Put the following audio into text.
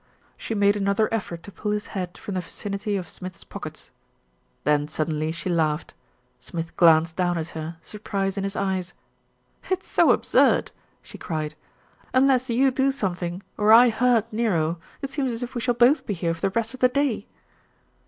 She made another effort to pull his head from the vicinity of Smith's pockets. Then suddenly she laughed. Smith glanced down at her, surprise in his eyes. "It's so absurd," she cried. "Unless you do some thing, or I hurt Nero, it seems as if we shall both be here for the rest of the day."